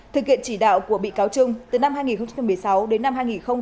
thực hiện chỉ đạo của bị cáo trung từ năm hai nghìn một mươi sáu đến năm hai nghìn một mươi chín